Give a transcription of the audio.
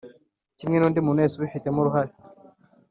kimwe n undi muntu wese ubifitemo uruhare